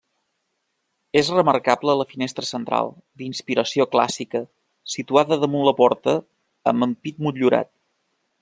És remarcable la finestra central, d'inspiració clàssica, situada damunt la porta, amb ampit motllurat.